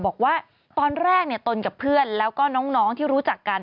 บอกว่าตอนแรกตนกับเพื่อนแล้วก็น้องที่รู้จักกัน